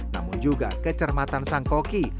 namun juga kecermatan sangkoki